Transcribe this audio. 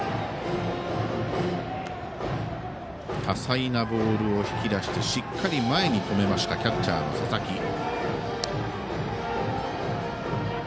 多彩なボールを引き出してしっかり前に止めましたキャッチャーの佐々木。